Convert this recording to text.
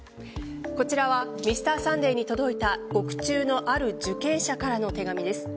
こちらは「Ｍｒ．サンデー」に届いた獄中のある受刑者からの手紙です。